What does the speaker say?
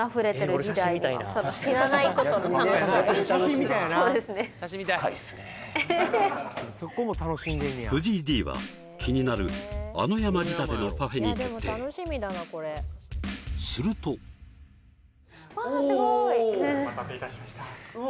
この藤井Ｄは気になるあの山仕立てのパフェに決定するとうわあすごいお待たせいたしましたうわ！